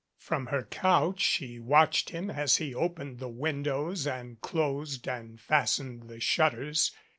From her couch she watched him as he opened the windows and closed and fastened the shutters.